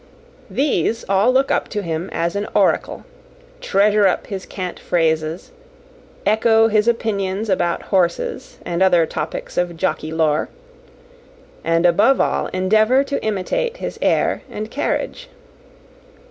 These all look up to him as to an oracle; treasure up his cant phrases; echo his opinions about horses and other topics of jockey lore; and, above all, endeavour to imitate his air and carriage.